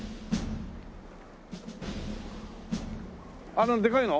あのでかいの？